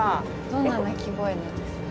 どんな鳴き声なんですか？